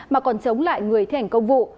mà còn chống lại người thể hành công vụ